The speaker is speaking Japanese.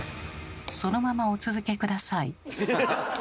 そのままお続け下さい。